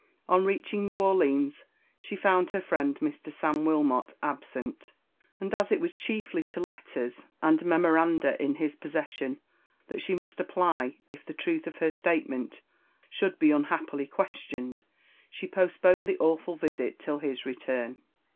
On reaching New Orleans, she found her friend Mr. Sam Wilmot absent; and as it was chiefly to letters and memoranda in his possession that she must apply if the truth of her statement should be unhappily questioned, she postponed the awful visit till his return.